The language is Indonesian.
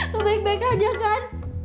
tuh baik baik aja kan